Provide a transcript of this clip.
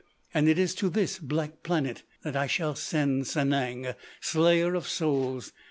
And—it is to this black planet that I shall send Sanang, Slayer of Souls.